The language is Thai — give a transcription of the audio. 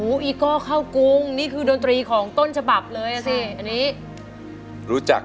อีโก้ข้าวกรุงนี่คือดนตรีของต้นฉบับเลยอ่ะสิอันนี้รู้จัก